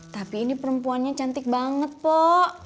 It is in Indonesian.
tapi ini perempuannya cantik banget pok